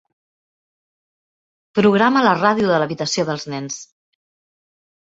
Programa la ràdio de l'habitació dels nens.